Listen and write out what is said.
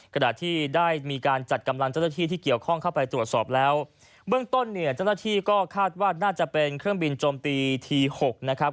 ขณะที่ได้มีการจัดกำลังเจ้าหน้าที่ที่เกี่ยวข้องเข้าไปตรวจสอบแล้วเบื้องต้นเนี่ยเจ้าหน้าที่ก็คาดว่าน่าจะเป็นเครื่องบินโจมตีทีหกนะครับ